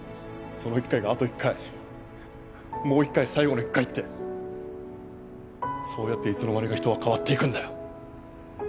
その一回があと一回もう一回最後の一回ってそうやっていつの間にか人は変わっていくんだよ。